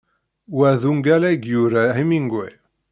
Wa d ungal ay yura Hemingway.